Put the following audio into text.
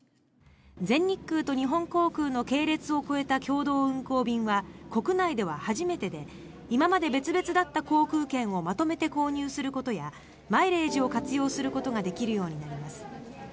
全日空と日本航空の系列を超えた共同運航便は国内では初めてで今まで別々だった航空券をまとめて購入することやマイレージを活用することができるようになります。